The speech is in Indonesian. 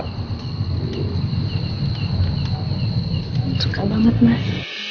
suka banget mas